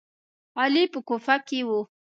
علي په کوفه کې و.